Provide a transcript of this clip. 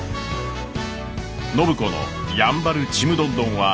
暢子のやんばるちむどんどんは大繁盛！